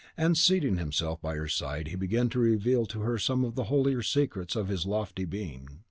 And, seating himself by her side, he began to reveal to her some of the holier secrets of his lofty being.